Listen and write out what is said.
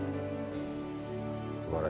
すばらしい。